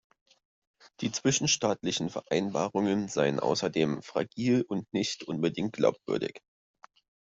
Die zwischenstaatlichen Vereinbarungen seien außerdem fragil und nicht unbedingt glaubwürdig.